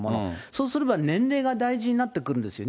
そうすれば、年齢が大事になってくるんですよ。